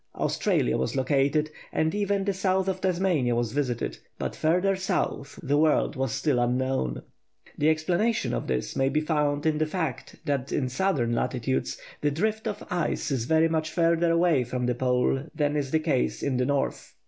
Australia was located, and even the south of Tasmania was visited. But further south the world was still unknown. An explanation of this may be found in the fact that in southern latitudes the drift of ice is very much further away from the Pole than is the case in the north.